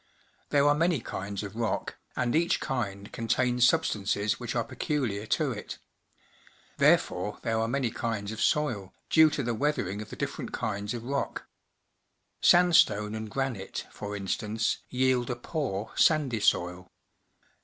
There are many kinds of rock, and each kind contains substances which are pecu liar to it. Therefore there are many kinds 28 PUBLIC SCHOOL GEOGRAPHY of soil, due to the weathering of the different kinds of rock. Sandstone and granite, for instance, yield a poor, sandy soil.